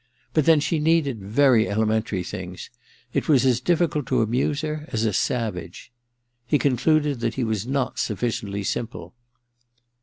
But then she needed such very elementary things : she was as difficult to amuse as a savage. He concluded that he was not sufficiently simple.